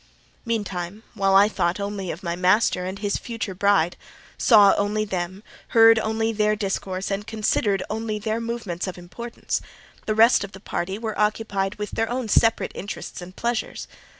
Meantime, while I thought only of my master and his future bride—saw only them, heard only their discourse, and considered only their movements of importance—the rest of the party were occupied with their own separate interests and pleasures.